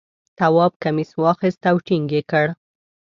تواب کمیس واخیست او ټینګ یې کړ.